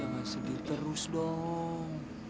jangan sedih terus dong